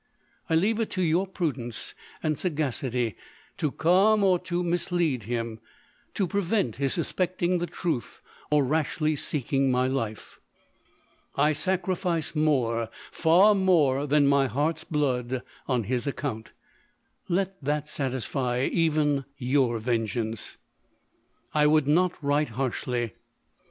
I leave it to your prudence and sagacity to calm or to mislead him, to prevent his suspecting the truth, or rashly seeking my life. I sacrifice more, far more, than my heart's blood on his account — let that satisfy even your vengeance. " I would not write harshly.